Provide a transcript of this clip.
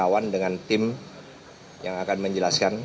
kawan dengan tim yang akan menjelaskan